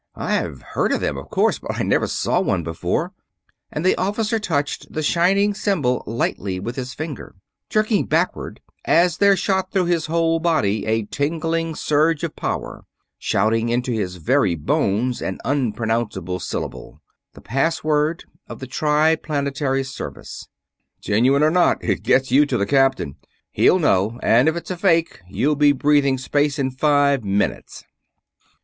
"I've heard of them, of course, but I never saw one before," and the officer touched the shining symbol lightly with his finger, jerking backward as there shot through his whole body a thrilling surge of power, shouting into his very bones an unpronounceable syllable the password of the Triplanetary Service. "Genuine or not, it gets you to the Captain. He'll know, and if it's a fake you'll be breathing space in five minutes."